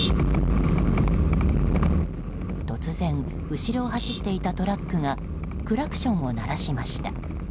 突然、後ろを走っていたトラックがクラクションを鳴らしました。